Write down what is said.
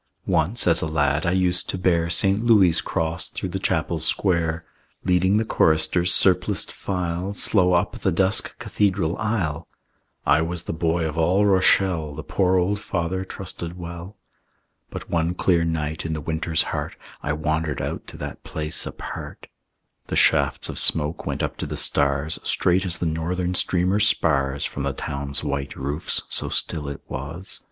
Once as a lad I used to bear St. Louis' cross through the chapel square, Leading the choristers' surpliced file Slow up the dusk Cathedral aisle. I was the boy of all Rochelle The pure old father trusted well. But one clear night in the winter's heart, I wandered out to that place apart. The shafts of smoke went up to the stars, Straight as the Northern Streamer spars, From the town's white roofs, so still it was.